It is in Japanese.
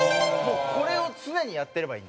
これを常にやってればいいんで。